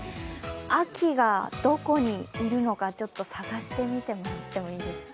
秋がどこにいるのかちょっと探してみてもらっていいですか。